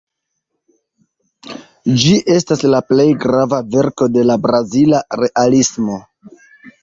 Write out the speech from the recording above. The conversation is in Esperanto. Ĝi estas la plej grava verko de la brazila Realismo.